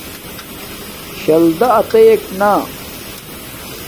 شل دا اتییک نا